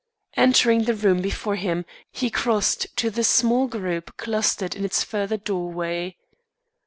Entering the room before him, he crossed to the small group clustered in its further doorway.